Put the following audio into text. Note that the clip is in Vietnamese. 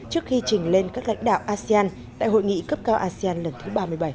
trước khi trình lên các lãnh đạo asean tại hội nghị cấp cao asean lần thứ ba mươi bảy